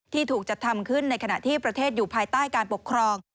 ถูกจัดทำขึ้นในขณะที่ประเทศอยู่ภายใต้การปกครอง